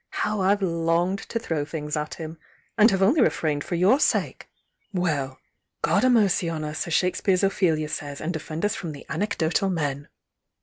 How I've longed to throw things at him! and have only refrained for your sake! Well! God a' mercy on us, as Shakespeare's Ophelia says, ana defend us from the ap»cdotal men!